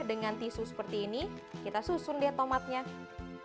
dengan tisu seperti ini kita bisa mencari airnya dan kita bisa mencari airnya juga dengan tisu ini